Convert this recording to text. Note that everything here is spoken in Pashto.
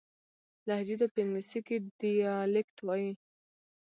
لهجې ته په انګلیسي کښي Dialect وایي.